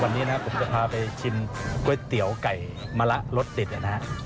วันนี้นะผมจะพาไปชิมก๋วยเตี๋ยวไก่มะระรสติดนะครับ